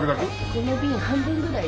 この瓶半分ぐらい。